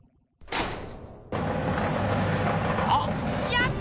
やった！